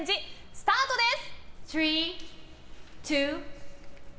スタートです！